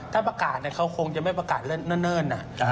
ถ้าประกาศเนี่ยเขาคงจะไม่ประกาศเล่นน่ะ